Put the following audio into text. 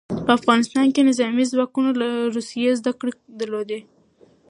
په افغانستان کې نظامي ځواکونه له روسیې زدکړې درلودې.